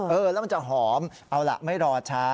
เออแล้วมันจะหอมเอาล่ะไม่รอช้า